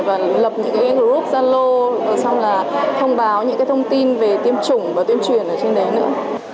và lập những group gia lô xong là thông báo những cái thông tin về tiêm chủng và tuyên truyền ở trên đấy nữa